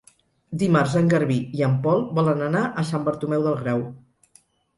Dimarts en Garbí i en Pol volen anar a Sant Bartomeu del Grau.